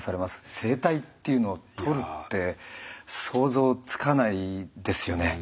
声帯っていうのを取るって想像つかないですよね。